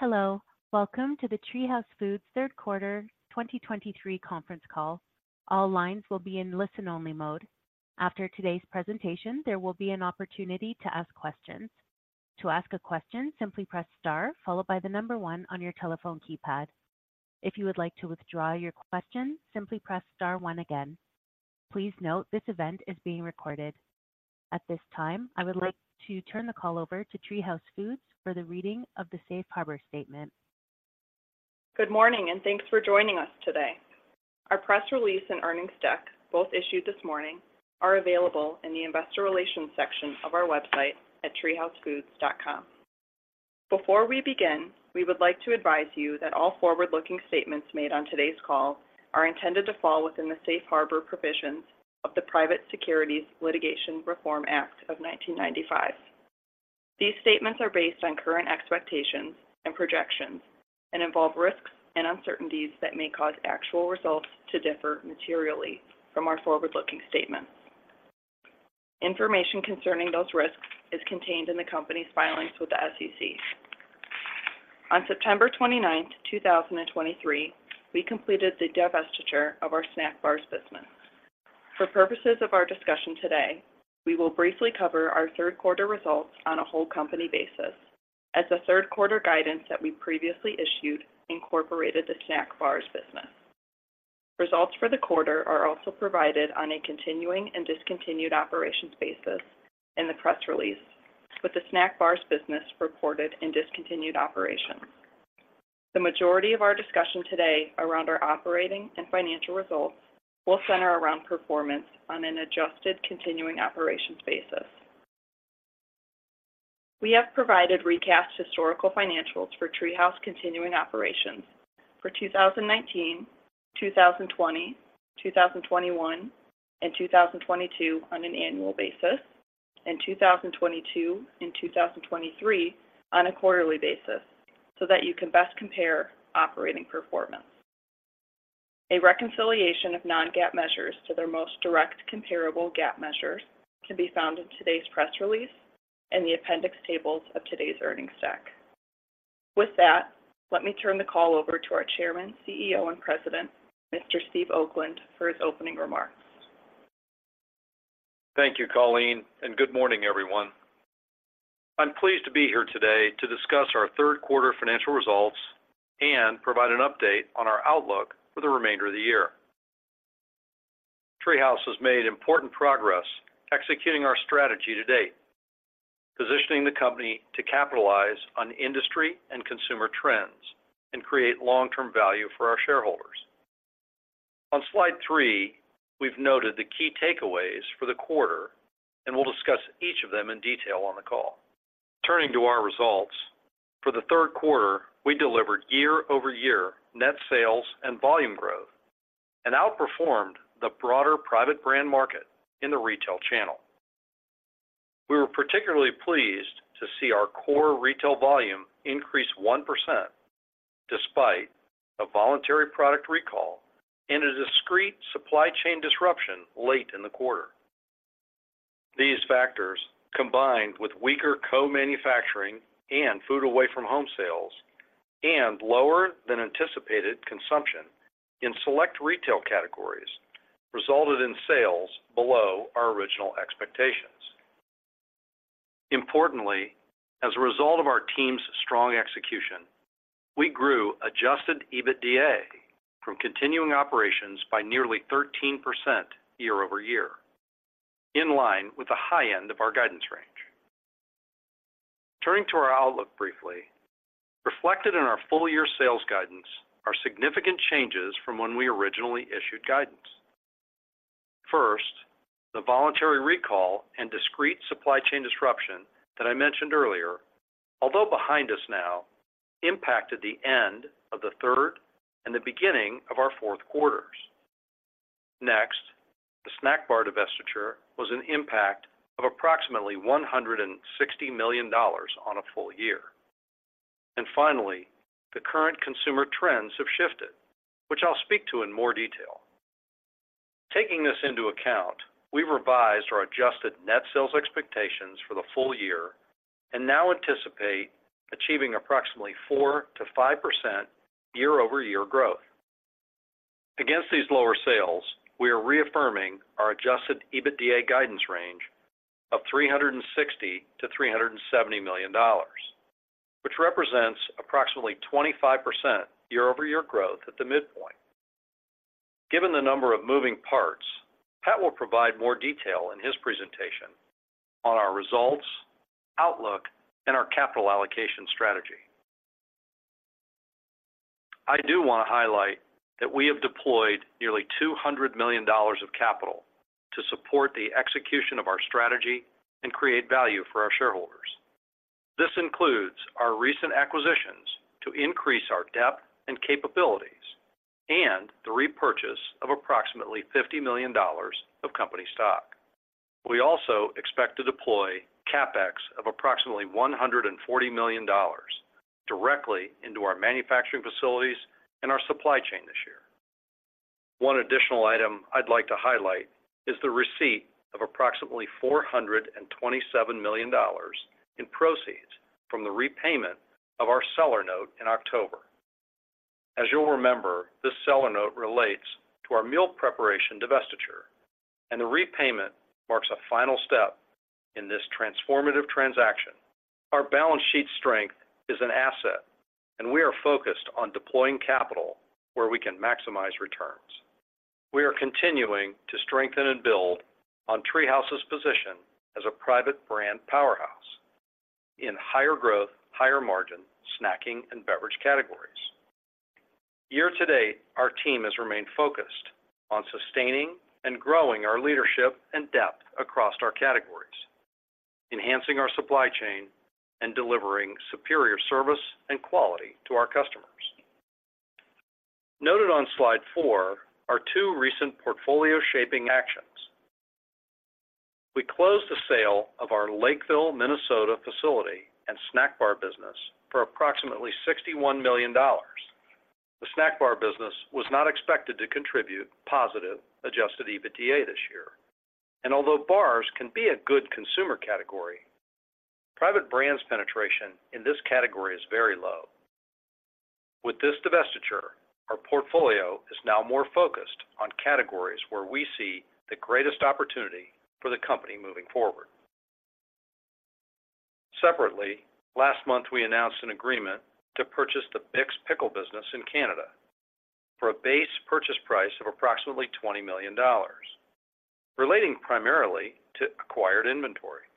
Hello, welcome to the TreeHouse Foods Q3 2023 Conference Call. All lines will be in listen-only mode. After today's presentation, there will be an opportunity to ask questions. To ask a question, simply press star followed by the number one on your telephone keypad. If you would like to withdraw your question, simply press star one again. Please note, this event is being recorded. At this time, I would like to turn the call over to TreeHouse Foods for the reading of the Safe Harbor statement. Good morning, and thanks for joining us today. Our press release and earnings deck, both issued this morning, are available in the investor relations section of our website at treehousefoods.com. Before we begin, we would like to advise you that all forward-looking statements made on today's call are intended to fall within the Safe Harbor provisions of the Private Securities Litigation Reform Act of 1995. These statements are based on current expectations and projections and involve risks and uncertainties that may cause actual results to differ materially from our forward-looking statements. Information concerning those risks is contained in the company's filings with the SEC. On 29th September 2023, we completed the divestiture of our snack bars business. For purposes of our discussion today, we will briefly cover our third quarter results on a whole company basis as the third quarter guidance that we previously issued incorporated the snack bars business. Results for the quarter are also provided on a continuing and discontinued operations basis in the press release, with the snack bars business reported in discontinued operations. The majority of our discussion today around our operating and financial results will center around performance on an adjusted continuing operations basis. We have provided recast historical financials for TreeHouse continuing operations for 2019, 2020, 2021, and 2022 on an annual basis, and 2022 and 2023 on a quarterly basis, so that you can best compare operating performance. A reconciliation of non-GAAP measures to their most direct comparable GAAP measures can be found in today's press release and the appendix tables of today's earnings deck. With that, let me turn the call over to our Chairman, CEO, and President, Mr. Steve Oakland, for his opening remarks. Thank you, Colleen, and good morning, everyone. I'm pleased to be here today to discuss our Q3 financial results and provide an update on our outlook for the remainder of the year. TreeHouse has made important progress executing our strategy to date, positioning the company to capitalize on industry and consumer trends and create long-term value for our shareholders. On slide three, we've noted the key takeaways for the quarter, and we'll discuss each of them in detail on the call. Turning to our results, for the Q3, we delivered year-over-year net sales and volume growth and outperformed the broader private brand market in the retail channel. We were particularly pleased to see our core retail volume increase 1% despite a voluntary product recall and a discrete supply chain disruption late in the quarter. These factors, combined with weaker co-manufacturing and food away from home sales and lower than anticipated consumption in select retail categories, resulted in sales below our original expectations. Importantly, as a result of our team's strong execution, we grew Adjusted EBITDA from continuing operations by nearly 13% year-over-year, in line with the high end of our guidance range. Turning to our outlook briefly, reflected in our full-year sales guidance are significant changes from when we originally issued guidance. First, the voluntary recall and discrete supply chain disruption that I mentioned earlier, although behind us now, impacted the end of the third and the beginning of our fourth quarters. Next, the snack bar divestiture was an impact of approximately $160 million on a full year. Finally, the current consumer trends have shifted, which I'll speak to in more detail. Taking this into account, we revised our Adjusted net sales expectations for the full year and now anticipate achieving approximately 4% to 5% year-over-year growth. Against these lower sales, we are reaffirming our Adjusted EBITDA guidance range of $360 million to 370 million, which represents approximately 25% year-over-year growth at the midpoint. Given the number of moving parts, Pat will provide more detail in his presentation on our results, outlook, and our capital allocation strategy. I do want to highlight that we have deployed nearly $200 million of capital to support the execution of our strategy and create value for our shareholders. This includes our recent acquisitions to increase our depth and capabilities and the repurchase of approximately $50 million of company stock. We also expect to deploy CapEx of approximately $140 million directly into our manufacturing facilities and our supply chain this year. One additional item I'd like to highlight is the receipt of approximately $427 million in proceeds from the repayment of our seller note in October. As you'll remember, this seller note relates to our meal preparation divestiture, and the repayment marks a final step in this transformative transaction. Our balance sheet strength is an asset, and we are focused on deploying capital where we can maximize returns. We are continuing to strengthen and build on TreeHouse's position as a private brand powerhouse in higher growth, higher margin, snacking, and beverage categories. Year-to-date, our team has remained focused on sustaining and growing our leadership and depth across our categories, enhancing our supply chain, and delivering superior service and quality to our customers. Noted on slide 4 are two recent portfolio shaping actions. We closed the sale of our Lakeville, Minnesota facility and snack bar business for approximately $61 million. The snack bar business was not expected to contribute positive Adjusted EBITDA this year. Although bars can be a good consumer category, private brands penetration in this category is very low. With this divestiture, our portfolio is now more focused on categories where we see the greatest opportunity for the company moving forward. Separately, last month, we announced an agreement to purchase the Bick's pickle business in Canada for a base purchase price of approximately $20 million, relating primarily to acquired inventory.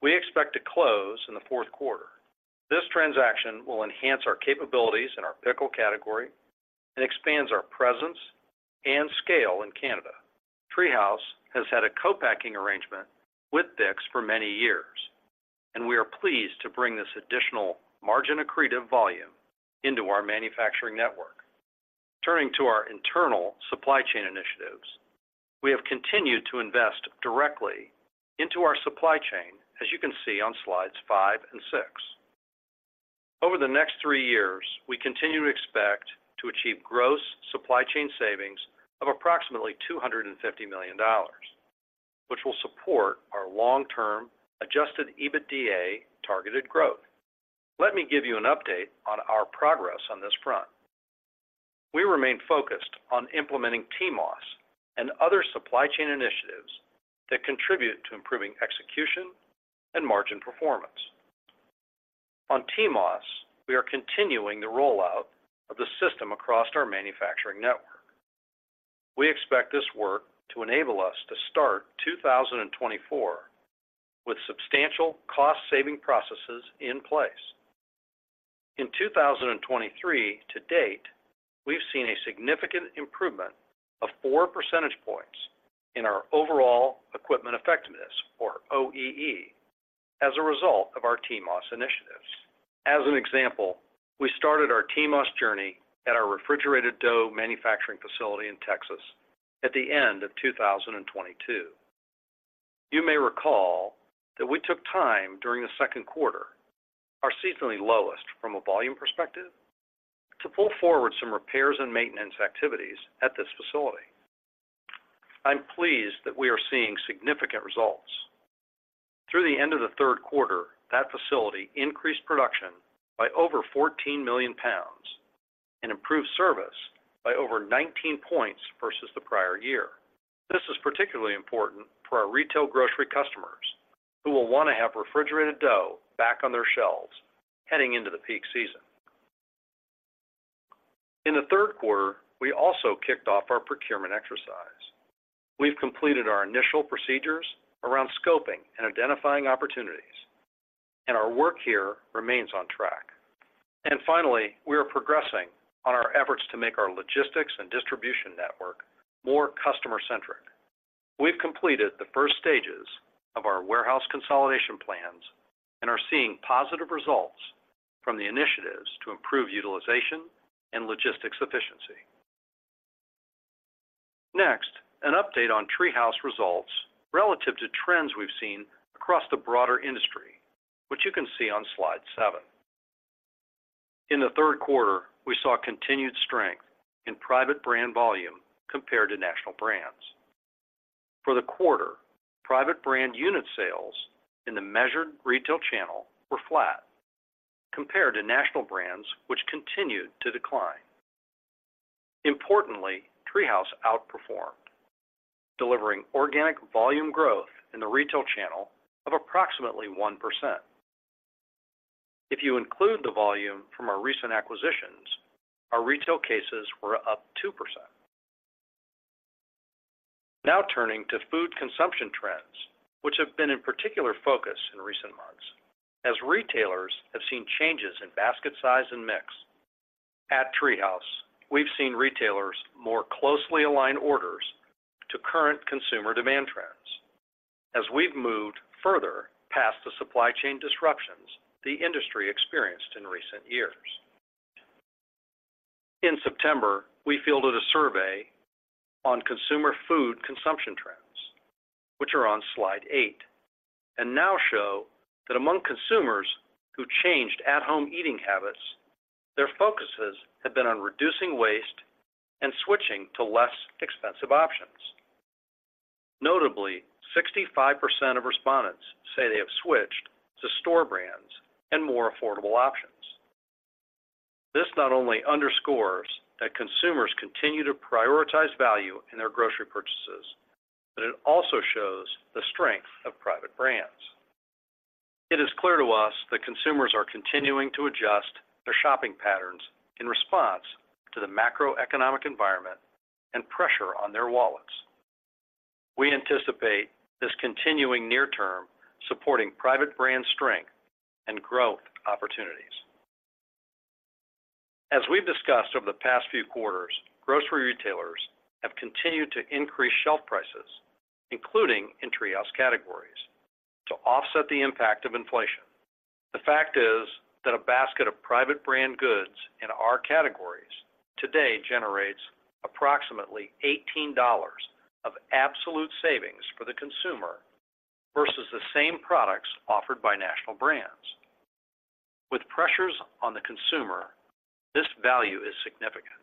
We expect to close in the Q4. This transaction will enhance our capabilities in our pickle category and expands our presence and scale in Canada. TreeHouse has had a co-packing arrangement with Bick's for many years, and we are pleased to bring this additional margin accretive volume into our manufacturing network. Turning to our internal supply chain initiatives, we have continued to invest directly into our supply chain, as you can see on slides five and six. Over the next three years, we continue to expect to achieve gross supply chain savings of approximately $250 million, which will support our long-term Adjusted EBITDA targeted growth. Let me give you an update on our progress on this front. We remain focused on implementing TMOS and other supply chain initiatives that contribute to improving execution and margin performance. On TMOS, we are continuing the rollout of the system across our manufacturing network. We expect this work to enable us to start 2024 with substantial cost-saving processes in place. In 2023 to date, we've seen a significant improvement of four percentage points in our overall equipment effectiveness, or OEE, as a result of our TMOS initiatives. As an example, we started our TMOS journey at our refrigerated dough manufacturing facility in Texas at the end of 2022. You may recall that we took time during the Q2, our seasonally lowest from a volume perspective, to pull forward some repairs and maintenance activities at this facility. I'm pleased that we are seeing significant results. Through the end of the Q3, that facility increased production by over 14 million pounds and improved service by over 19 points versus the prior year. This is particularly important for our retail grocery customers, who will want to have refrigerated dough back on their shelves heading into the peak season. In the Q3, we also kicked off our procurement exercise. We've completed our initial procedures around scoping and identifying opportunities, and our work here remains on track. Finally, we are progressing on our efforts to make our logistics and distribution network more customer-centric. We've completed the first stages of our warehouse consolidation plans and are seeing positive results from the initiatives to improve utilization and logistics efficiency. Next, an update on TreeHouse results relative to trends we've seen across the broader industry, which you can see on slide seven. In the Q3, we saw continued strength in private brand volume compared to national brands. For the quarter, private brand unit sales in the measured retail channel were flat compared to national brands, which continued to decline. Importantly, TreeHouse outperformed, delivering organic volume growth in the retail channel of approximately 1%. If you include the volume from our recent acquisitions, our retail cases were up 2%. Now turning to food consumption trends, which have been in particular focus in recent months, as retailers have seen changes in basket size and mix. At TreeHouse, we've seen retailers more closely align orders to current consumer demand trends as we've moved further past the supply chain disruptions the industry experienced in recent years. In September, we fielded a survey on consumer food consumption trends which are on slide eight, and now show that among consumers who changed at-home eating habits, their focuses have been on reducing waste and switching to less expensive options. Notably, 65% of respondents say they have switched to store brands and more affordable options. This not only underscores that consumers continue to prioritize value in their grocery purchases, but it also shows the strength of private brands. It is clear to us that consumers are continuing to adjust their shopping patterns in response to the macroeconomic environment and pressure on their wallets. We anticipate this continuing near term, supporting private brand strength and growth opportunities. As we've discussed over the past few quarters, grocery retailers have continued to increase shelf prices, including in TreeHouse categories, to offset the impact of inflation. The fact is that a basket of private brand goods in our categories today generates approximately $18 of absolute savings for the consumer versus the same products offered by national brands. With pressures on the consumer, this value is significant.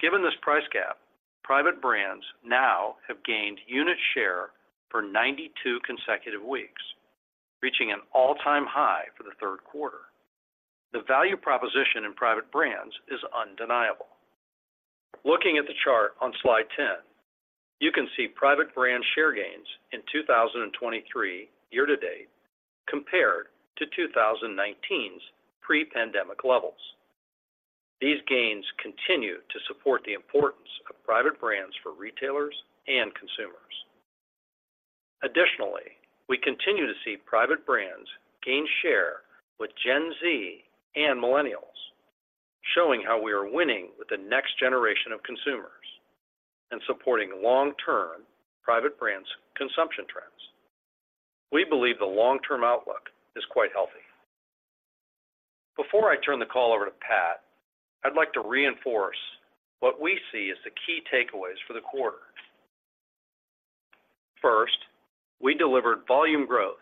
Given this price gap, private brands now have gained unit share for 92 consecutive weeks, reaching an all-time high for the Q3. The value proposition in private brands is undeniable. Looking at the chart on slide 10, you can see private brand share gains in 2023 year to date compared to 2019's pre-pandemic levels. These gains continue to support the importance of private brands for retailers and consumers. Additionally, we continue to see private brands gain share with Gen Z and Millennials, showing how we are winning with the next generation of consumers and supporting long-term private brands consumption trends. We believe the long-term outlook is quite healthy. Before I turn the call over to Pat, I'd like to reinforce what we see as the key takeaways for the quarter. First, we delivered volume growth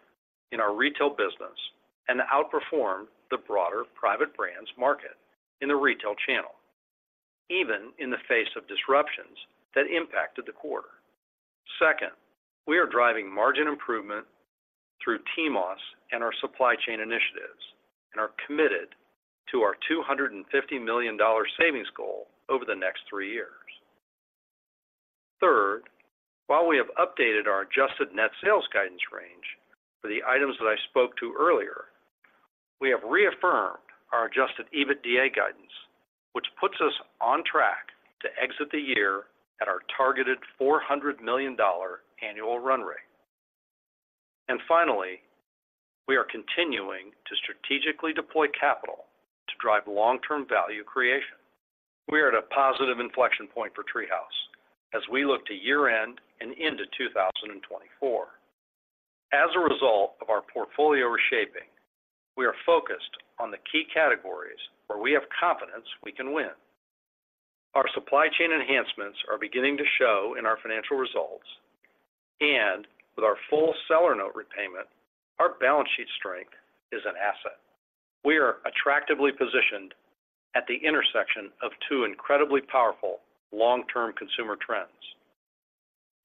in our retail business and outperformed the broader private brands market in the retail channel, even in the face of disruptions that impacted the quarter. Second, we are driving margin improvement through TMOS and our supply chain initiatives and are committed to our $250 million savings goal over the next three years. Third, while we have updated our adjusted net sales guidance range for the items that I spoke to earlier, we have reaffirmed our adjusted EBITDA guidance, which puts us on track to exit the year at our targeted $400 million annual run rate. And finally, we are continuing to strategically deploy capital to drive long-term value creation. We are at a positive inflection point for TreeHouse as we look to year-end and into 2024. As a result of our portfolio reshaping, we are focused on the key categories where we have confidence we can win. Our supply chain enhancements are beginning to show in our financial results, and with our full seller note repayment, our balance sheet strength is an asset. We are attractively positioned at the intersection of two incredibly powerful long-term consumer trends: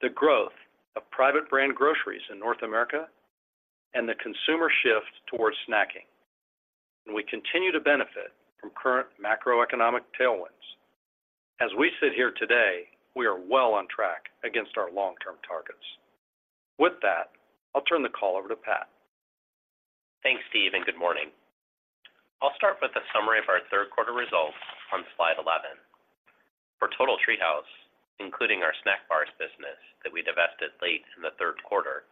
the growth of private brand groceries in North America and the consumer shift towards snacking, and we continue to benefit from current macroeconomic tailwinds. As we sit here today, we are well on track against our long-term targets. With that, I'll turn the call over to Pat. Thanks, Steve, and good morning. I'll start with a summary of our third quarter results on slide 11. For total TreeHouse, including our snack bars business that we divested late in the Q3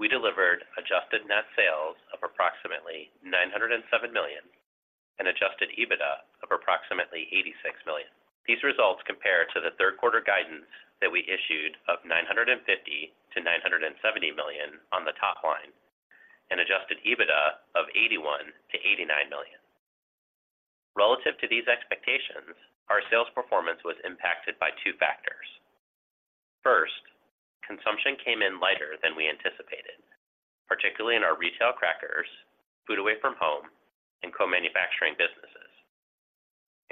we delivered adjusted net sales of approximately $907 million and Adjusted EBITDA of approximately $86 million. These results compare to the Q3 guidance that we issued of $950 million to 970 million on the top line and Adjusted EBITDA of $81 million to 89 million. Relative to these expectations, our sales performance was impacted by two factors. First, consumption came in lighter than we anticipated, particularly in our retail crackers, food away from home, and co-manufacturing businesses.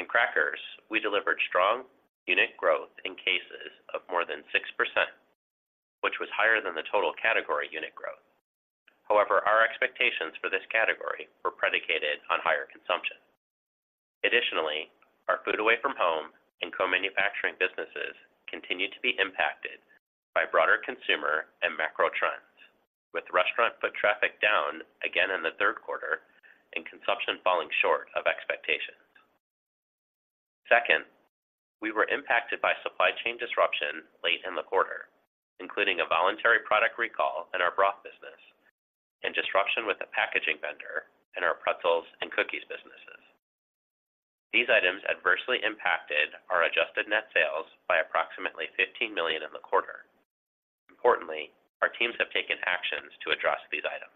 In crackers, we delivered strong unit growth in cases of more than 6%, which was higher than the total category unit growth. However, our expectations for this category were predicated on higher consumption. Additionally, our food away from home and co-manufacturing businesses continued to be impacted by broader consumer and macro trends, with restaurant foot traffic down again in the Q3 and consumption falling short of expectations. Second, we were impacted by supply chain disruption late in the quarter, including a voluntary product recall in our broth business and disruption with a packaging vendor in our pretzels and cookies businesses. These items adversely impacted our adjusted net sales by approximately $15 million in the quarter. Importantly, our teams have taken actions to address these items.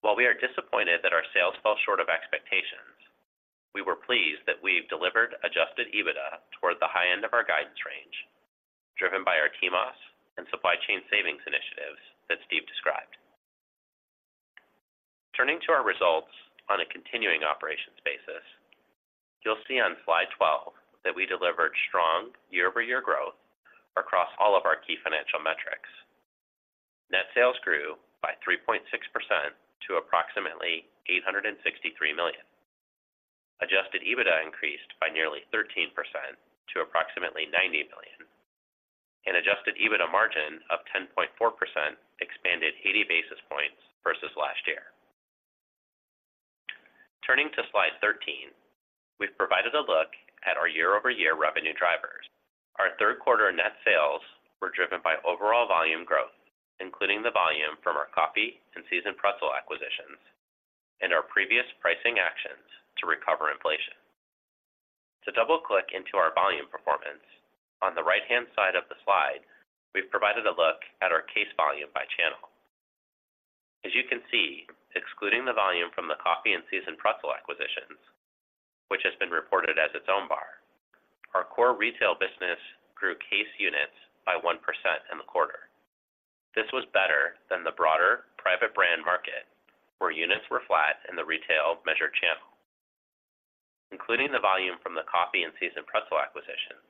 While we are disappointed that our sales fell short of expectations, we were pleased that we've delivered Adjusted EBITDA toward the high end of our guidance range, driven by our TMOS and supply chain savings initiatives that Steve described. Turning to our results on a continuing operations basis, you'll see on slide 12 that we delivered strong year-over-year growth across all of our key financial metrics. Net sales grew by 3.6% to approximately $863 million. Adjusted EBITDA increased by nearly 13% to approximately $90 million, and adjusted EBITDA margin of 10.4% expanded 80 basis points versus last year. Turning to slide 13, we've provided a look at our year-over-year revenue drivers. Our third quarter net sales were driven by overall volume growth, including the volume from our coffee and seasoned pretzel acquisitions, and our previous pricing actions to recover inflation. To double-click into our volume performance, on the right-hand side of the slide, we've provided a look at our case volume by channel. As you can see, excluding the volume from the coffee and seasoned pretzel acquisitions, which has been reported as its own bar, our core retail business grew case units by 1% in the quarter. This was better than the broader private brand market, where units were flat in the retail measured channel. Including the volume from the coffee and seasoned pretzel acquisitions,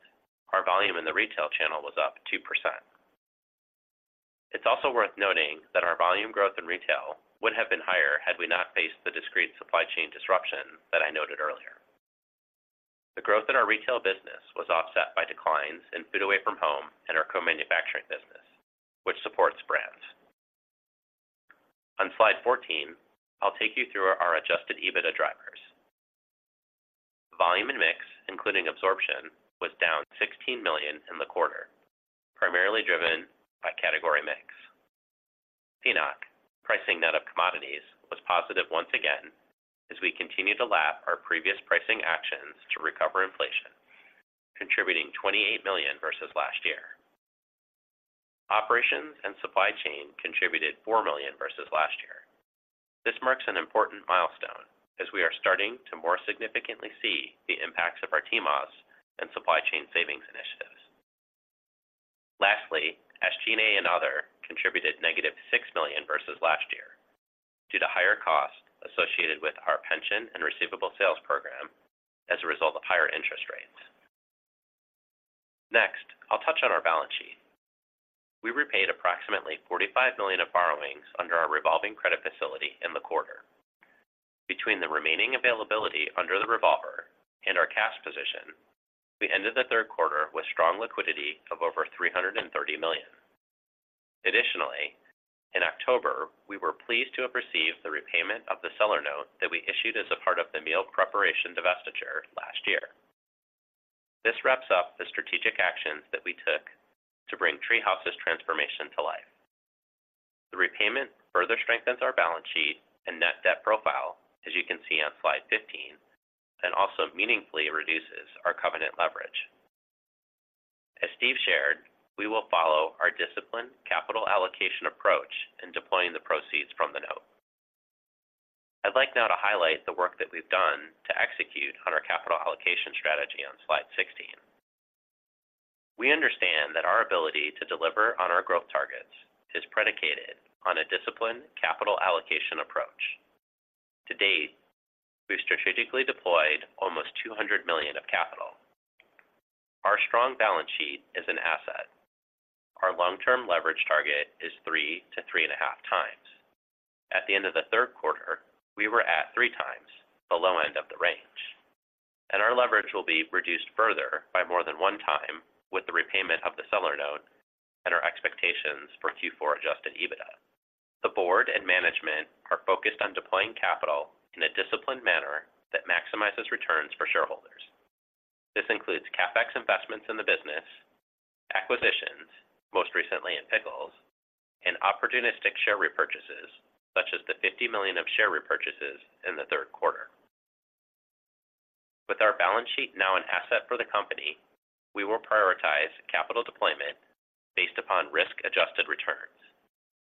our volume in the retail channel was up 2%. It's also worth noting that our volume growth in retail would have been higher had we not faced the discrete supply chain disruption that I noted earlier. The growth in our retail business was offset by declines in food away from home and our co-manufacturing business, which supports brands. On slide 14, I'll take you through our Adjusted EBITDA drivers. Volume and mix, including absorption, was down $16 million in the quarter, primarily driven by category mix. PNOC, pricing net of commodities, was positive once again as we continue to lap our previous pricing actions to recover inflation, contributing $28 million versus last year. Operations and supply chain contributed $4 million versus last year. This marks an important milestone as we are starting to more significantly see the impacts of our TMOS and supply chain savings initiatives. Lastly, SG&A and other contributed -$6 million versus last year due to higher costs associated with our pension and receivable sales program as a result of higher interest rates. Next, I'll touch on our balance sheet. We repaid approximately $45 million of borrowings under our revolving credit facility in the quarter. Between the remaining availability under the revolver and our cash position, we ended the third quarter with strong liquidity of over $330 million. Additionally, in October, we were pleased to have received the repayment of the seller note that we issued as a part of the meal preparation divestiture last year. This wraps up the strategic actions that we took to bring TreeHouse's transformation to life. The repayment further strengthens our balance sheet and net debt profile, as you can see on slide 15, and also meaningfully reduces our covenant leverage. As Steve shared, we will follow our disciplined capital allocation approach in deploying the proceeds from the note. I'd like now to highlight the work that we've done to execute on our capital allocation strategy on slide 16. We understand that our ability to deliver on our growth targets is predicated on a disciplined capital allocation approach. To date, we've strategically deployed almost $200 million of capital. Our strong balance sheet is an asset. Our long-term leverage target is 3x to 3.5x. At the end of the Q3, we were at 3x the low end of the range, and our leverage will be reduced further by more than 1x with the repayment of the seller note and our expectations for Q4 Adjusted EBITDA. The board and management are focused on deploying capital in a disciplined manner that maximizes returns for shareholders. This includes CapEx investments in the business, acquisitions, most recently in pickles, and opportunistic share repurchases, such as the $50 million of share repurchases in the Q3. With our balance sheet now an asset for the company, we will prioritize capital deployment based upon risk-adjusted returns.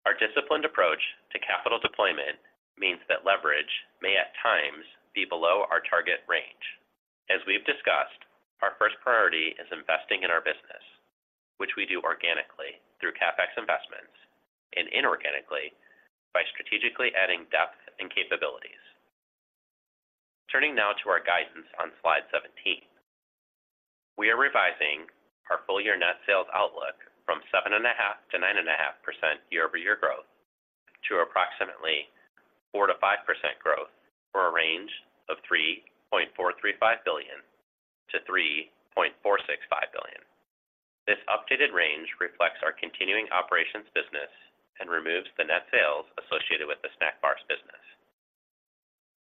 Our disciplined approach to capital deployment means that leverage may, at times, be below our target range. As we've discussed, our first priority is investing in our business, which we do organically through CapEx investments, and inorganically by strategically adding depth and capabilities. Turning now to our guidance on slide 17. We are revising our full-year net sales outlook from 7.5% to 9.5% year-over-year growth to approximately 4% to 5% growth for a range of $3.435 billion to 3.465 billion. This updated range reflects our continuing operations business and removes the net sales associated with the snack bars business.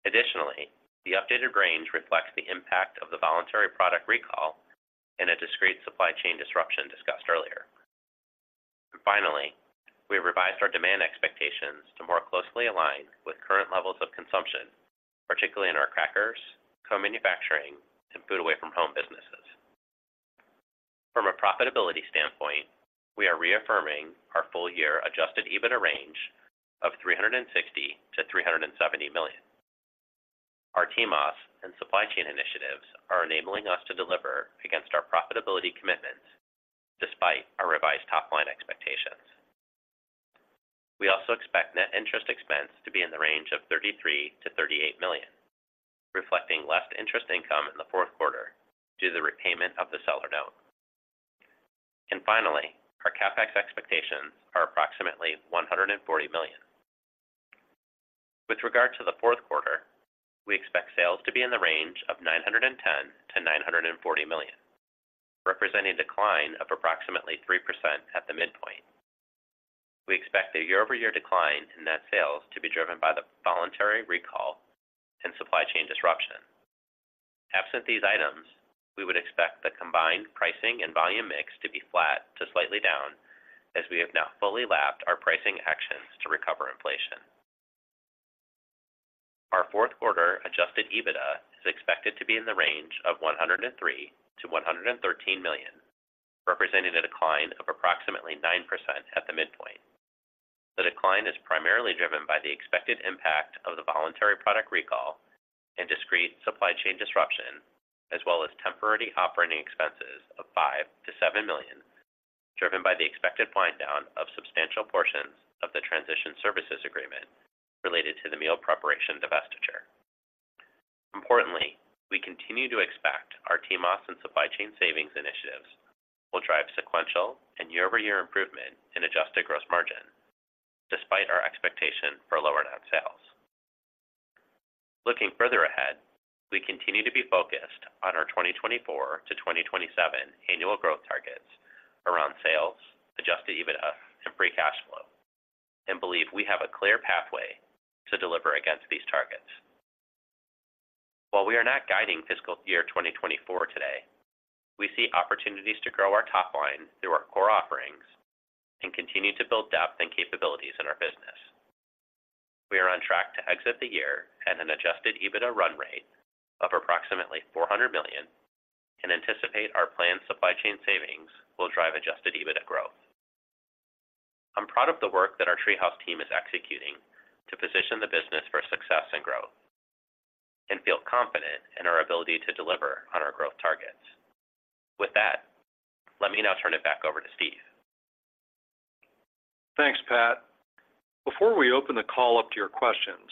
Additionally, the updated range reflects the impact of the voluntary product recall and a discrete supply chain disruption discussed earlier. Finally, we revised our demand expectations to more closely align with current levels of consumer, co-manufacturing, and food away from home businesses. From a profitability standpoint, we are reaffirming our full year Adjusted EBITDA range of $360 million to 370 million. Our TMOS and supply chain initiatives are enabling us to deliver against our profitability commitments despite our revised top-line expectations. We also expect net interest expense to be in the range of $33 million to 38 million, reflecting less interest income in the fourth quarter due to the repayment of the seller note. Finally, our CapEx expectations are approximately $140 million. With regard to the fourth quarter, we expect sales to be in the range of $910 million to 940 million, representing a decline of approximately 3% at the midpoint. We expect a year-over-year decline in net sales to be driven by the voluntary recall and supply chain disruption. Absent these items, we would expect the combined pricing and volume mix to be flat to slightly down as we have now fully lapped our pricing actions to recover inflation. Our Q4 Adjusted EBITDA is expected to be in the range of $103 million to 113 million, representing a decline of approximately 9% at the midpoint. The decline is primarily driven by the expected impact of the voluntary product recall and discrete supply chain disruption, as well as temporary operating expenses of $5 million to 7 million, driven by the expected wind down of substantial portions of the Transition Services Agreement related to the meal preparation divestiture. Importantly, we continue to expect our TMOS and supply chain savings initiatives will drive sequential and year-over-year improvement in adjusted gross margin, despite our expectation for lower net sales. Looking further ahead, we continue to be focused on our 2024 to 2027 annual growth targets around sales, Adjusted EBITDA, and free cash flow, and believe we have a clear pathway to deliver against these targets. While we are not guiding fiscal year 2024 today, we see opportunities to grow our top line through our core offerings and continue to build depth and capabilities in our business. We are on track to exit the year at an Adjusted EBITDA run rate of approximately $400 million and anticipate our planned supply chain savings will drive Adjusted EBITDA growth. I'm proud of the work that our TreeHouse team is executing to position the business for success and growth, and feel confident in our ability to deliver on our growth targets. With that, let me now turn it back over to Steve. Thanks, Pat. Before we open the call up to your questions,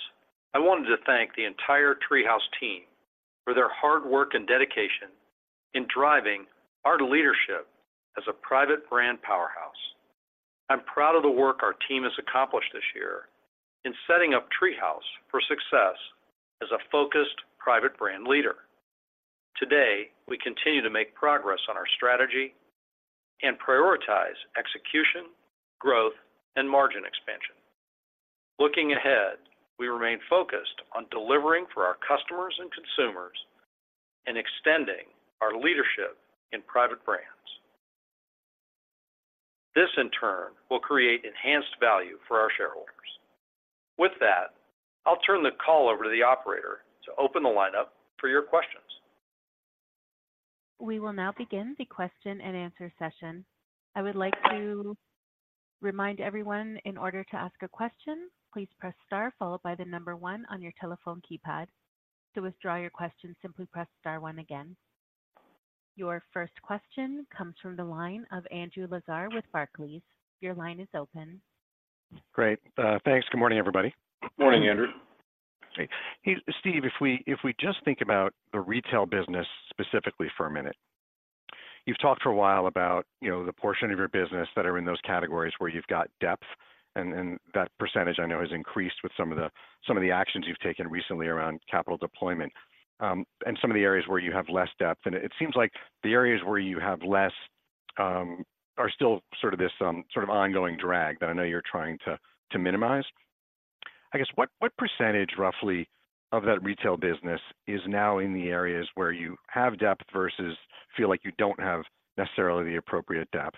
I wanted to thank the entire TreeHouse team for their hard work and dedication in driving our leadership as a private brand powerhouse. I'm proud of the work our team has accomplished this year in setting up TreeHouse for success as a focused private brand leader. Today, we continue to make progress on our strategy and prioritize execution, growth, and margin expansion. Looking ahead, we remain focused on delivering for our customers and consumers and extending our leadership in private brands. This, in turn, will create enhanced value for our shareholders. With that, I'll turn the call over to the operator to open the lineup for your questions. We will now begin the question and answer session. I would like to remind everyone, in order to ask a question, please press star followed by the number one on your telephone keypad. To withdraw your question, simply press star one again. Your first question comes from the line of Andrew Lazar with Barclays. Your line is open. Great, thanks. Good morning, everybody. Morning, Andrew. Hey, Steve, if we just think about the retail business specifically for a minute, you've talked for a while about, you know, the portion of your business that are in those categories where you've got depth, and that percentage I know has increased with some of the actions you've taken recently around capital deployment, and some of the areas where you have less depth. It seems like the areas where you have less are still sort of this sort of ongoing drag that I know you're trying to minimize. I guess, what percentage, roughly, of that retail business is now in the areas where you have depth versus feel like you don't have necessarily the appropriate depth?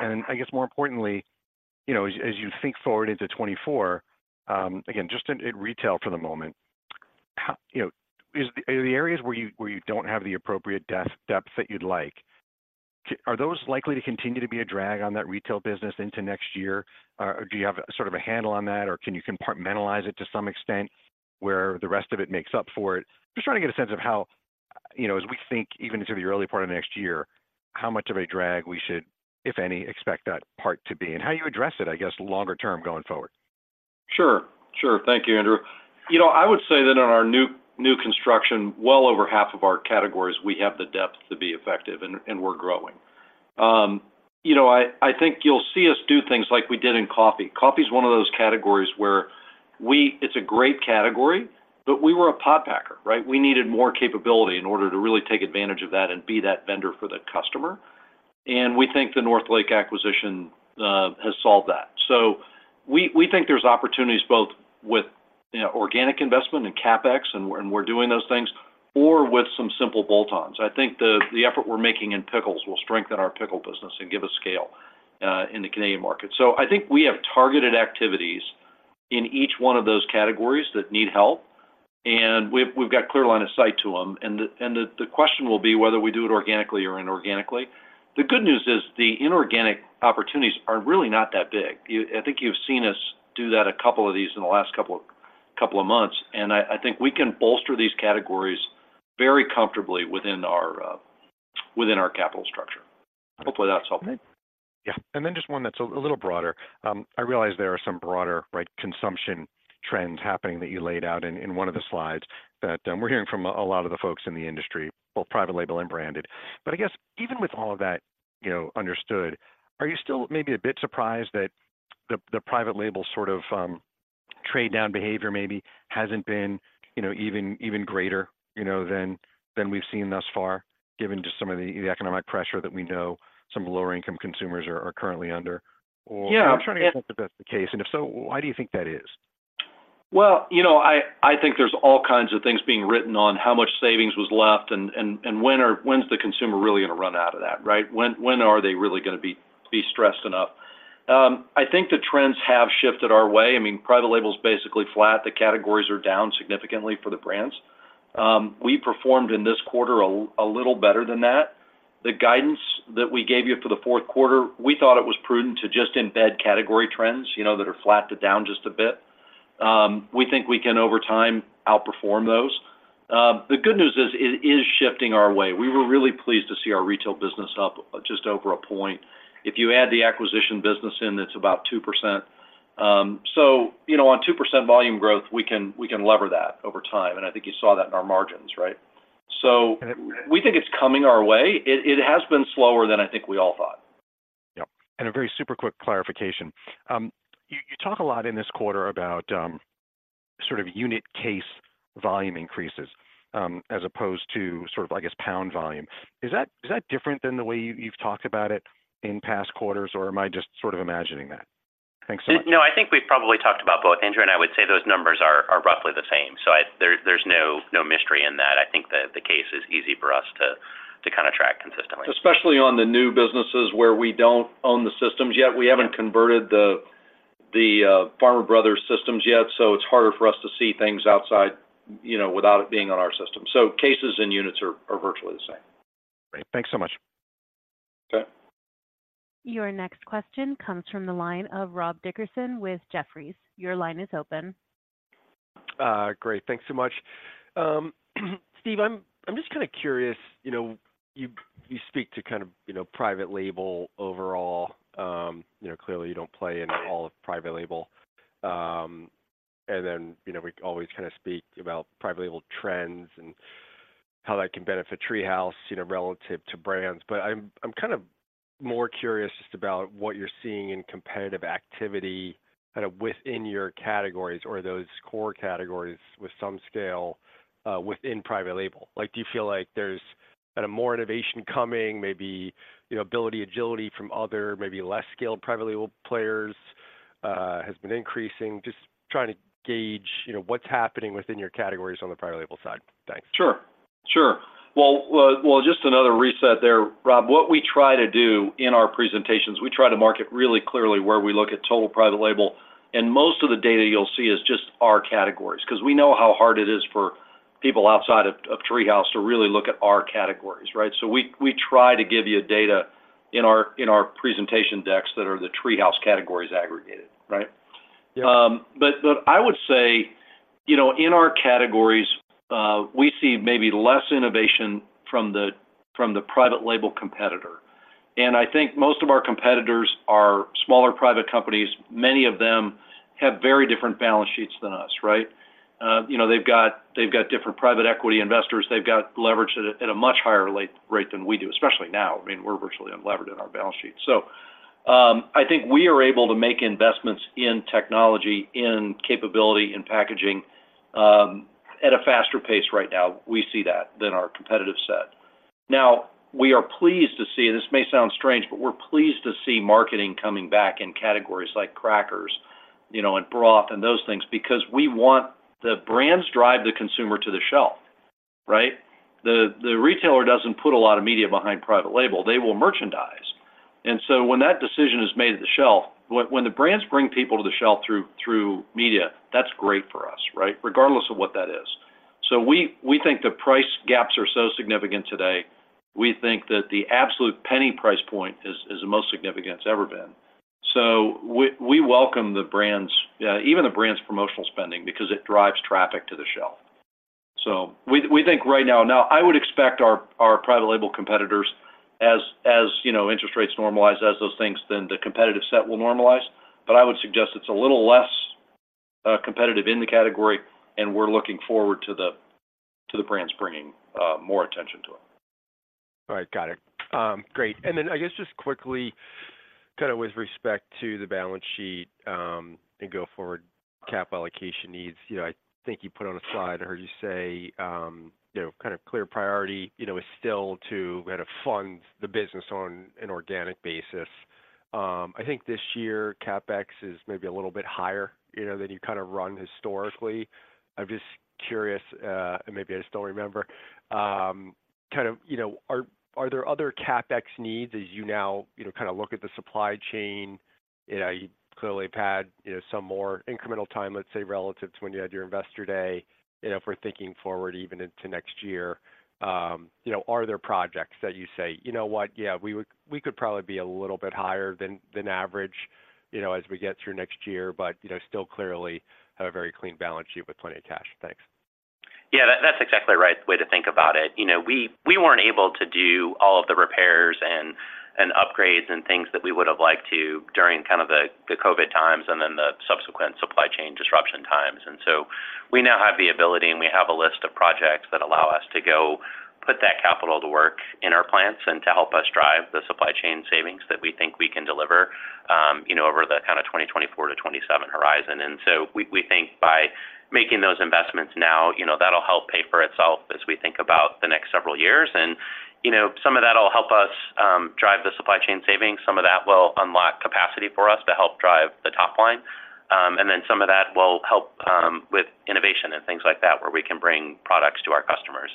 I guess more importantly, you know, as you think forward into 2024, again, just in retail for the moment, how you, are the areas where you don't have the appropriate depth that you'd like, are those likely to continue to be a drag on that retail business into next year? Or do you have sort of a handle on that, or can you compartmentalize it to some extent, where the rest of it makes up for it? Just trying to get a sense of how, you know, as we think even into the early part of next year, how much of a drag we should, if any, expect that part to be and how you address it, I guess, longer term going forward. Sure. Sure. Thank you, Andrew. You know, I would say that on our new, new construction, well over half of our categories, we have the depth to be effective, and, and we're growing. You know, I, I think you'll see us do things like we did in coffee. Coffee is one of those categories where we, it's a great category, but we were a pod packer, right? We needed more capability in order to really take advantage of that and be that vendor for the customer, and we think the Northlake acquisition has solved that. So we, we think there's opportunities both with organic investment and CapEx, and, and we're doing those things, or with some simple bolt-on. I think the, the effort we're making in pickles will strengthen our pickle business and give us scale in the Canadian market. So I think we have targeted activities in each one of those categories that need help, and we've got clear line of sight to them. The question will be whether we do it organically or inorganically. The good news is, the inorganic opportunities are really not that big. You, I think you've seen us do that a couple of these in the last couple of months, and I think we can bolster these categories very comfortably within our capital structure. Hopefully, that's helpful. Yeah. Then just one that's a little broader. I realize there are some broader, right, consumption trends happening that you laid out in one of the slides that we're hearing from a lot of the folks in the industry, both private label and branded. I guess even with all of that, you know, understood, are you still maybe a bit surprised that the private label sort of trade down behavior maybe hasn't been, you know, even greater, you know, than we've seen thus far, given just some of the economic pressure that we know some lower-income consumers are currently under? Yeah. Or I'm trying to understand if that's the case, and if so, why do you think that is? Well, you know, I think there's all kinds of things being written on how much savings was left and when's the consumer really going to run out of that, right? When are they really gonna be stressed enough? I think the trends have shifted our way. I mean, private label is basically flat. The categories are down significantly for the brands. We performed in this quarter a little better than that. The guidance that we gave you for the Q4, we thought it was prudent to just embed category trends, you know, that are flat to down just a bit. We think we can, over time, outperform those. The good news is, it is shifting our way. We were really pleased to see our retail business up just over a point. If you add the acquisition business in, it's about 2%. So you know, on 2% volume growth, we can, we can lever that over time, and I think you saw that in our margins, right? So we think it's coming our way. It, it has been slower than I think we all thought. Yep. A very super quick clarification. You talk a lot in this quarter about sort of unit case volume increases as opposed to sort of, I guess, pound volume. Is that different than the way you've talked about it in past quarters, or am I just sort of imagining that? Thanks so much. No, I think we've probably talked about both. Andrew and I would say those numbers are roughly the same. So, there's no mystery in that. I think the case is easy for us to kind of track consistently. Especially on the new businesses where we don't own the systems yet. We haven't converted the Farmer Brothers systems yet, so it's harder for us to see things outside, you know, without it being on our system. So cases and units are virtually the same. Great. Thanks so much. Okay. Your next question comes from the line of Rob Dickerson with Jefferies. Your line is open. Great. Thanks so much. Steve, I'm just kinda curious, you know, you speak to kind of, you know, private label overall. You know, clearly, you don't play in all of private label. And then, you know, we always kinda speak about private label trends and how that can benefit TreeHouse, you know, relative to brands. But I'm kind of more curious just about what you're seeing in competitive activity, kind of within your categories or those core categories with some scale, within private label. Like, do you feel like there's kind of more innovation coming, maybe, you know, ability, agility from other maybe less skilled private label players, has been increasing? Just trying to gauge, you know, what's happening within your categories on the private label side. Thanks. Sure, sure. Well, well, just another reset there, Rob. What we try to do in our presentations, we try to market really clearly where we look at total private label, and most of the data you'll see is just our categories, 'cause we know how hard it is for people outside of TreeHouse to really look at our categories, right? So we try to give you data in our presentation decks that are the TreeHouse categories aggregated, right? Yeah. But I would say, you know, in our categories, we see maybe less innovation from the private label competitor. I think most of our competitors are smaller private companies. Many of them have very different balance sheets than us, right? You know, they've got different private equity investors. They've got leverage at a much higher leverage rate than we do, especially now. I mean, we're virtually unlevered in our balance sheet. So, I think we are able to make investments in technology, in capability, in packaging, at a faster pace right now, we see that, than our competitive set. Now, we are pleased to see, this may sound strange, but we're pleased to see marketing coming back in categories like crackers, you know, and broth and those things, because we want the brands drive the consumer to the shelf, right? The retailer doesn't put a lot of media behind private label. They will merchandise. So when that decision is made at the shelf, when the brands bring people to the shelf through media, that's great for us, right? Regardless of what that is. So we, we think the price gaps are so significant today, we think that the absolute penny price point is, is the most significant it's ever been. So we, we welcome the brands, even the brands' promotional spending, because it drives traffic to the shelf. So we think right now. Now, I would expect our private label competitors, as you know, interest rates normalize, as those things, then the competitive set will normalize. I would suggest it's a little less competitive in the category, and we're looking forward to the brands bringing more attention to them. All right. Got it. Great. Then I guess just quickly, kind of with respect to the balance sheet, and go-forward capital allocation needs, you know, I think you put on a slide, I heard you say, you know, kind of clear priority, you know, is still to kind of fund the business on an organic basis. I think this year, CapEx is maybe a little bit higher, you know, than you kind of run historically. I'm just curious, and maybe I just don't remember, kind of, you know, are, are there other CapEx needs as you now, you know, kind of look at the supply chain? You know, you clearly have had, you know, some more incremental time, let's say, relative to when you had your investor day. You know, if we're thinking forward even into next year, you know, are there projects that you say: You know what? Yeah, we could probably be a little bit higher than average, you know, as we get through next year, but, you know, still clearly have a very clean balance sheet with plenty of cash? Thanks. Yeah, that's exactly the right way to think about it. You know, we weren't able to do all of the repairs and upgrades and things that we would have liked to during kind of the COVID times and then the subsequent supply chain disruption times. So we now have the ability, and we have a list of projects that allow us to go put that capital to work in our plants and to help us drive the supply chain savings that we think we can deliver, you know, over the kind of 2024 to 2027 horizon. so we think by making those investments now, you know, that'll help pay for itself as we think about the next several years. You know, some of that will help us drive the supply chain savings. Some of that will unlock capacity for us to help drive the top line. Then some of that will help with innovation and things like that, where we can bring products to our customers.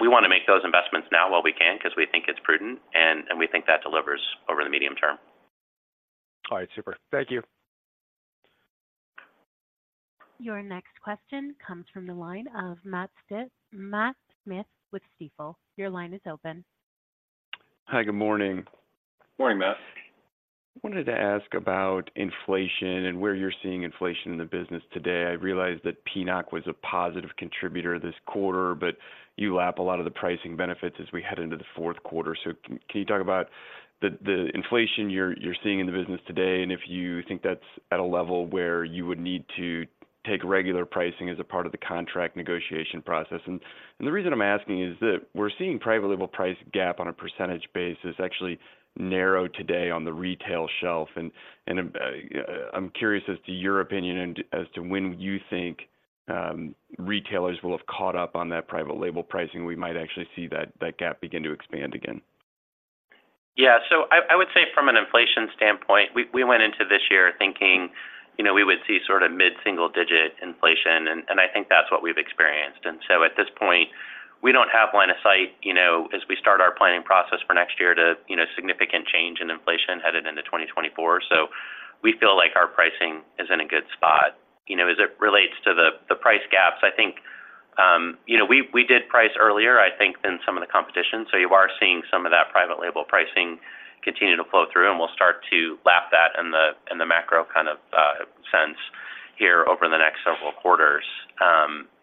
We want to make those investments now while we can, because we think it's prudent, and we think that delivers over the medium term. All right, super. Thank you. Your next question comes from the line of Matt Smith with Stifel. Your line is open. Hi, good morning. Morning, Matt. I wanted to ask about inflation and where you're seeing inflation in the business today. I realize that PNOC was a positive contributor this quarter, but you lap a lot of the pricing benefits as we head into the Q4. So can you talk about the inflation you're seeing in the business today, and if you think that's at a level where you would need to take regular pricing as a part of the contract negotiation process? I'm curious as to your opinion and as to when you think retailers will have caught up on that private label pricing. We might actually see that gap begin to expand again. Yeah. So I would say from an inflation standpoint, we went into this year thinking, you know, we would see sort of mid-single digit inflation, and I think that's what we've experienced. So at this point, we don't have line of sight, you know, as we start our planning process for next year to, you know, significant change in inflation headed into 2024. So we feel like our pricing is in a good spot. You know, as it relates to the price gaps, I think, you know, we did price earlier, I think, than some of the competition. So you are seeing some of that private label pricing continue to flow through, and we'll start to lap that in the macro kind of sense here over the next several quarters.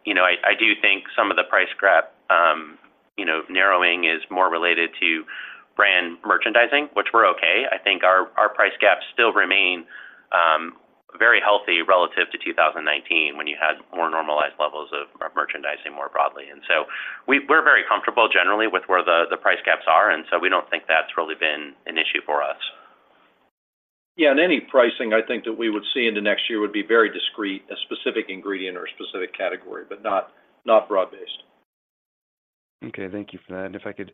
You know, I do think some of the price gap narrowing is more related to brand merchandising, which we're okay. I think our price gaps still remain very healthy relative to 2019, when you had more normalized levels of merchandising more broadly. So we're very comfortable generally with where the price gaps are, and so we don't think that's really been an issue for us. Yeah, and any pricing, I think, that we would see into next year would be very discrete, a specific ingredient or a specific category, but not broad-based. Okay, thank you for that. If I could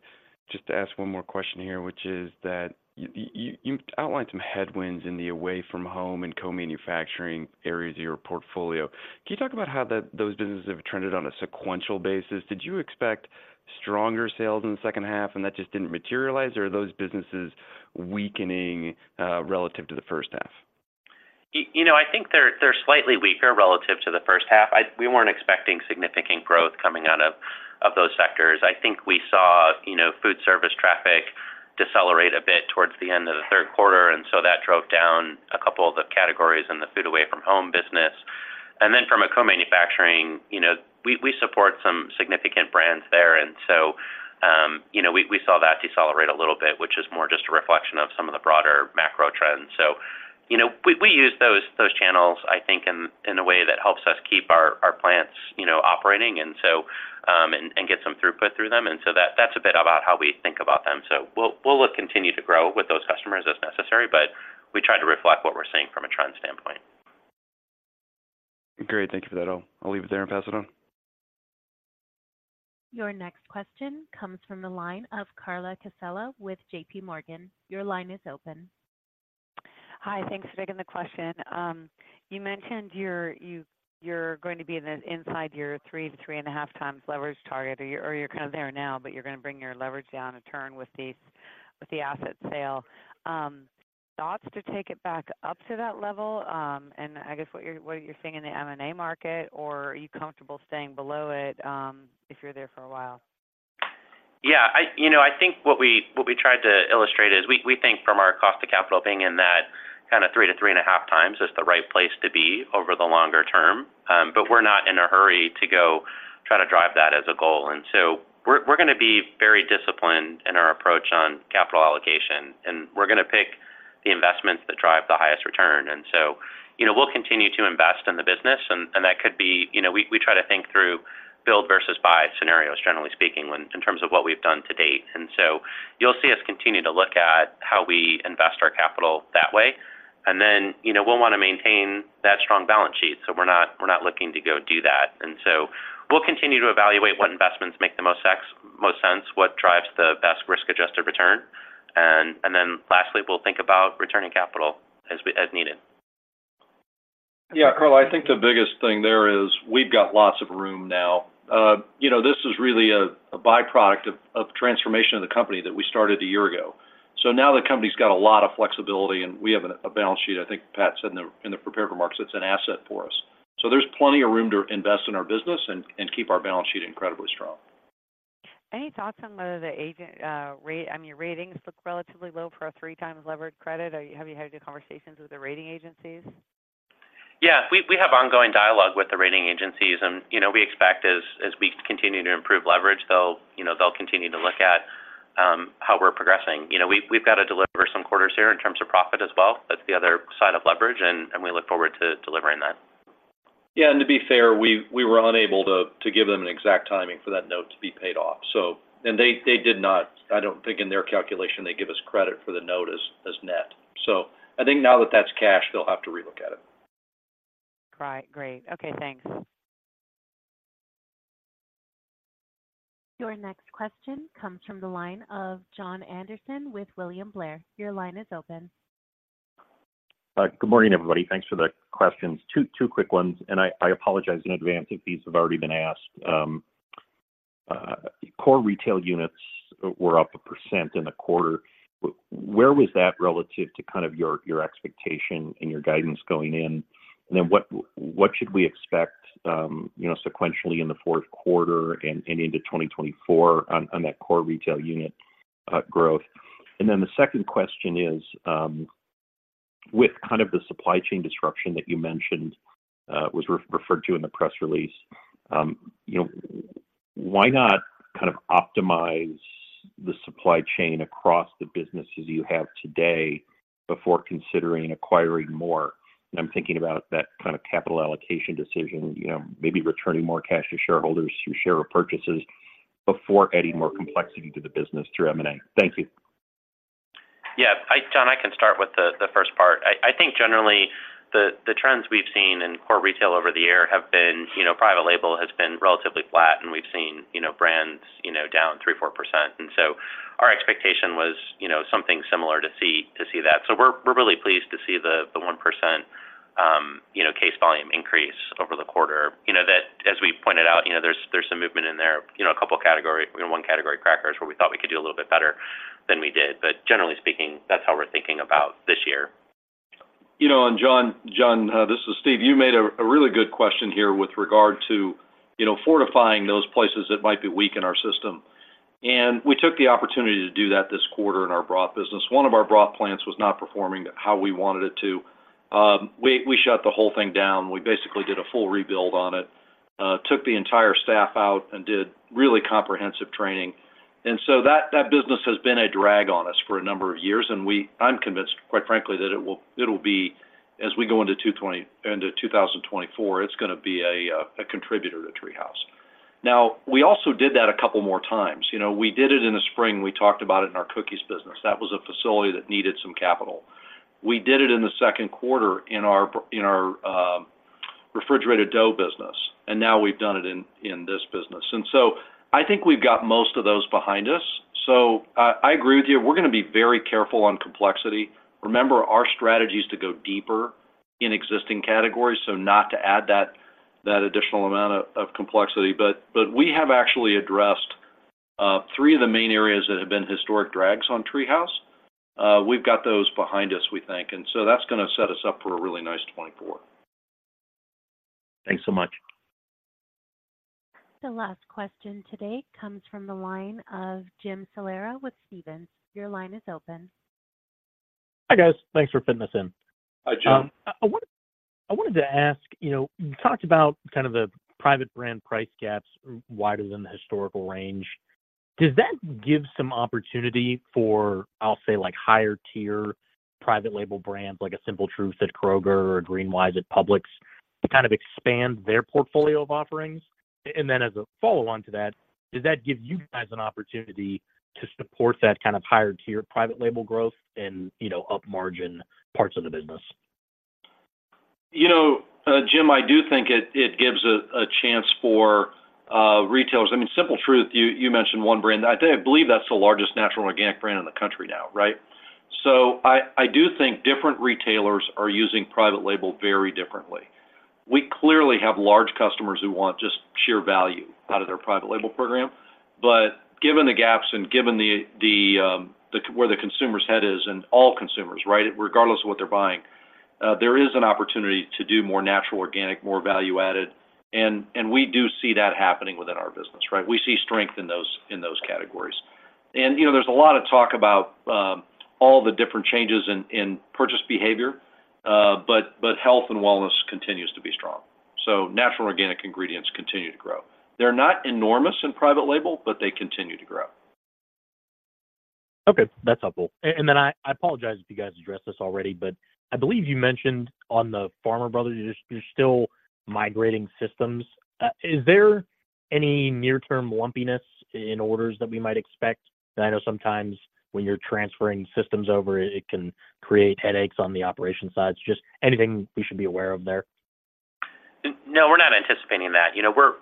just ask one more question here, which is that you outlined some headwinds in the away from home and co-manufacturing areas of your portfolio. Can you talk about how those businesses have trended on a sequential basis? Did you expect stronger sales in the H2 and that just didn't materialize, or are those businesses weakening relative to the H1? You know, I think they're slightly weaker relative to the H1 We weren't expecting significant growth coming out of those sectors. I think we saw, you know, food service traffic decelerate a bit towards the end of the Q3, and so that drove down a couple of the categories in the food away from home business. Then from a co-manufacturing, you know, we support some significant brands there, and so, you know, we saw that decelerate a little bit, which is more just a reflection of some of the broader macro trends. So, you know, we use those channels, I think, in a way that helps us keep our plants, you know, operating, and so, and get some throughput through them. So that's a bit about how we think about them. So we'll look to continue to grow with those customers as necessary, but we try to reflect what we're seeing from a trend standpoint. Great. Thank you for that. I'll, I'll leave it there and pass it on. Your next question comes from the line of Carla Casella with JPMorgan. Your line is open. Hi, thanks for taking the question. You mentioned you're going to be inside your 3 to 3.5 times leverage target, or you're kind of there now, but you're going to bring your leverage down a turn with the asset sale. Thoughts to take it back up to that level, and I guess what you're seeing in the M&A market, or are you comfortable staying below it, if you're there for a while? Yeah, you know, I think what we tried to illustrate is we think from our cost of capital being in that kind of 3 to 3.5 times is the right place to be over the longer term. We're not in a hurry to go try to drive that as a goal. So we're gonna be very disciplined in our approach on capital allocation, and we're gonna pick the investments that drive the highest return. You know, we'll continue to invest in the business, and that could be, you know, we try to think through build versus buy scenarios, generally speaking, when in terms of what we've done to date. So you'll see us continue to look at how we invest our capital that way. Then, you know, we'll wanna maintain that strong balance sheet, so we're not, we're not looking to go do that. So we'll continue to evaluate what investments make the most sense, most sense, what drives the best risk-adjusted return. Then lastly, we'll think about returning capital as we, as needed. Yeah, Carla, I think the biggest thing there is we've got lots of room now. You know, this is really a byproduct of transformation of the company that we started a year ago. So now the company's got a lot of flexibility, and we have a balance sheet, I think Pat said in the prepared remarks, it's an asset for us. So there's plenty of room to invest in our business and keep our balance sheet incredibly strong. Any thoughts on whether the agency rating, I mean, your ratings look relatively low for a 3x levered credit? Or have you had good conversations with the rating agencies? Yeah, we have ongoing dialogue with the rating agencies and, you know, we expect as we continue to improve leverage, they'll, you know, they'll continue to look at how we're progressing. You know, we've got to deliver some quarters here in terms of profit as well. That's the other side of leverage, and we look forward to delivering that. Yeah, and to be fair, we were unable to give them an exact timing for that note to be paid off. So, and they did not. I don't think in their calculation, they give us credit for the notice as net. So I think now that that's cash, they'll have to relook at it. Right. Great. Okay, thanks. Your next question comes from the line of Jon Andersen with William Blair. Your line is open. Good morning, everybody. Thanks for the questions. Two quick ones, and I apologize in advance if these have already been asked. Core retail units were up 1% in the quarter. Where was that relative to kind of your expectation and your guidance going in? Then what should we expect, you know, sequentially in the Q4 and into 2024 on that core retail unit growth? Then the second question is, with kind of the supply chain disruption that you mentioned, was referred to in the press release, you know, why not kind of optimize the supply chain across the businesses you have today before considering acquiring more? I'm thinking about that kind of capital allocation decision, you know, maybe returning more cash to shareholders through share purchases before adding more complexity to the business through M&A. Thank you. Yeah, Jon, I can start with the first part. I think generally, the trends we've seen in core retail over the year have been, you know, private label has been relatively flat, and we've seen, you know, brands, you know, down 3.4%. So our expectation was, you know, something similar to see that. So we're really pleased to see the 1%, you know, case volume increase over the quarter. You know, that as we pointed out, you know, there's some movement in there, you know, a couple of category in one category, crackers, where we thought we could do a little bit better than we did. Generally speaking, that's how we're thinking about this year. Jon, Jon, this is Steve. You made a really good question here with regard to, you know, fortifying those places that might be weak in our system. We took the opportunity to do that this quarter in our broth business. One of our broth plants was not performing how we wanted it to. We, we shut the whole thing down. We basically did a full rebuild on it, took the entire staff out and did really comprehensive training. o that, that business has been a drag on us for a number of years, and we, I'm convinced, quite frankly, that it will, it'll be as we go into 2024, it's gonna be a contributor to TreeHouse. Now, we also did that a couple more times. You know, we did it in the spring. We talked about it in our cookies business. That was a facility that needed some capital. We did it in the Q2 in our refrigerated dough business, and now we've done it in this business. So I think we've got most of those behind us. So I agree with you. We're gonna be very careful on complexity. Remember, our strategy is to go deeper in existing categories, so not to add that additional amount of complexity. We have actually addressed three of the main areas that have been historic drags on TreeHouse. We've got those behind us, we think, and so that's gonna set us up for a really nice 2024. Thanks so much. The last question today comes from the line of Jim Salera with Stephens. Your line is open. Hi, guys. Thanks for fitting this in. Hi, Jim. I wanted to ask, you know, you talked about kind of the private brand price gaps wider than the historical range. Does that give some opportunity for, I'll say, like, higher tier private label brands, like a Simple Truth at Kroger or GreenWise at Publix, to kind of expand their portfolio of offerings? Then as a follow-on to that, does that give you guys an opportunity to support that kind of higher tier private label growth and, you know, up margin parts of the business? You know, Jim, I do think it gives a chance for retailers. I mean, Simple Truth, you mentioned one brand. I think, I believe that's the largest natural organic brand in the country now, right? So I do think different retailers are using private label very differently. We clearly have large customers who want just sheer value out of their private label program. But given the gaps and given where the consumer's head is, and all consumers, right? Regardless of what they're buying, there is an opportunity to do more natural, organic, more value-added, and we do see that happening within our business, right? We see strength in those categories. You know, there's a lot of talk about all the different changes in purchase behavior, but health and wellness continues to be strong. So natural organic ingredients continue to grow. They're not enormous in private label, but they continue to grow. Okay, that's helpful. Then I apologize if you guys addressed this already, but I believe you mentioned on the Farmer Brothers, you're still migrating systems. Is there any near-term lumpiness in orders that we might expect? I know sometimes when you're transferring systems over, it can create headaches on the operation side. Just anything we should be aware of there? No, we're not anticipating that. You know, we're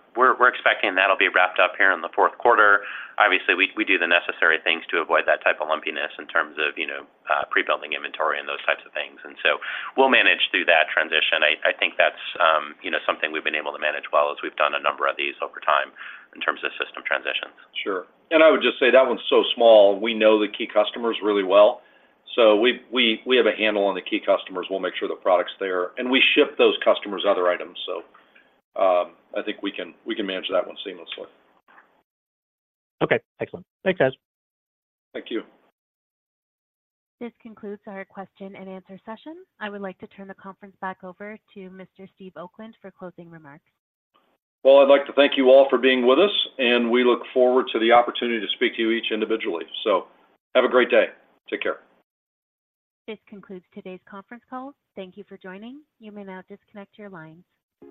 expecting that'll be wrapped up here in the Q4. Obviously, we do the necessary things to avoid that type of lumpiness in terms of, you know, pre-building inventory and those types of things. So we'll manage through that transition. I think that's, you know, something we've been able to manage well as we've done a number of these over time in terms of system transitions. Sure. And I would just say that one's so small, we know the key customers really well. So we have a handle on the key customers. We'll make sure the product's there, and we ship those customers other items. So, I think we can manage that one seamlessly. Okay, excellent. Thanks, guys. Thank you. This concludes our question and answer session. I would like to turn the conference back over to Mr. Steve Oakland for closing remarks. Well, I'd like to thank you all for being with us, and we look forward to the opportunity to speak to you each individually. So have a great day. Take care. This concludes today's conference call. Thank you for joining. You may now disconnect your lines.